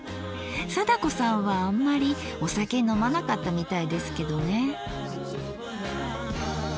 貞子さんはあんまりお酒飲まなかったみたいですけどね。